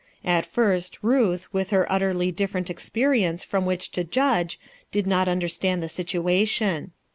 At first, Ruth, with her utterly different experience from which to judge, did not understand the situation.